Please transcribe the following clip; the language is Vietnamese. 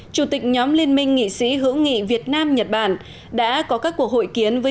chủ tịch nhóm liên minh nghị sĩ hữu nghị việt nam nhật bản đã có các cuộc hội kiến với